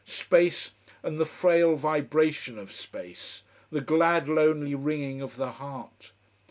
Space, and the frail vibration of space, the glad lonely wringing of the heart.